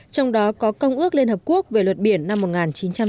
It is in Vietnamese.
trong đó có công ước liên hợp quốc về luật biển năm một nghìn chín trăm tám mươi hai